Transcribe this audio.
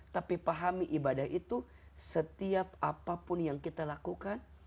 tapi pahami ibadah itu setiap apapun yang kita lakukan